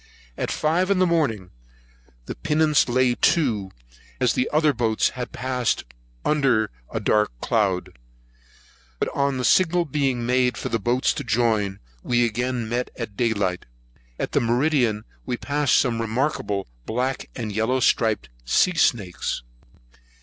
At five in the morning, the pinnace lay to, as the other boats had passed her under a dark cloud; but on the signal being made for the boats to join, we again met at day light. At meridian, we passed some remarkable black and yellow striped sea snakes.